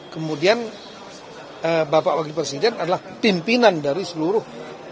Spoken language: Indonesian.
kemudian bapak wakil presiden adalah pimpinan dari seluruh